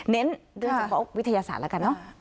โดยเฉพาะวิทยาศาสตร์แล้วกันเนอะ